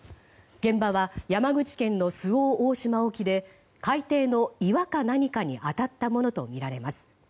現場は山口県の周防大島沖で海底の岩か何かに当たったものとみられます。